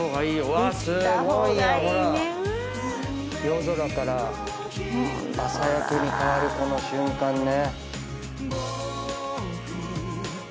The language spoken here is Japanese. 夜空から朝焼けに変わるこの瞬間ね。